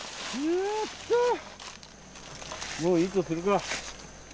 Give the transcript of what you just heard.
もういいとするか。